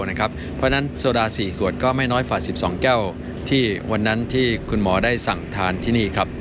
เพราะฉะนั้นโซดา๔ขวดก็ไม่น้อยกว่า๑๒แก้วที่วันนั้นที่คุณหมอได้สั่งทานที่นี่ครับ